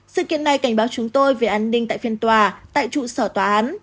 sự kiện này cảnh báo chúng tôi về an ninh tại phiên tòa tại trụ sở tòa án